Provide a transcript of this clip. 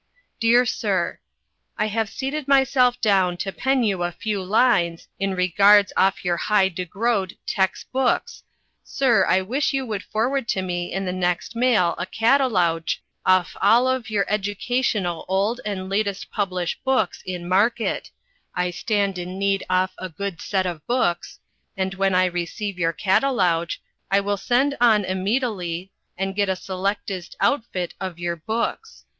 "Dear Sir. I have seated my self down to pen you a few lines in reguards off your high degrode Tex Books Sir I wish you would forward to me in the next Mail a Cataloudge off all of your Edgucational old and latest publish books in Market I stand in need off a good set of books and when I receive your Cataloudge I will send on immeadily and get a Selecticed outfit of your books.